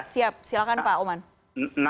siap silahkan pak oman